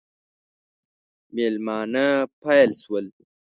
مېلمانه پیل شول.